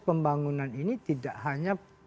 pembangunan ini tidak hanya